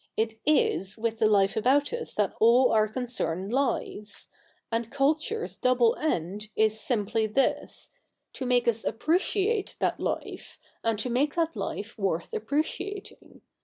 It is with the Hfe about us that all our concern lies : and culture's double end is simply this — to make us appreciate that life, and to make that life worth appreciating.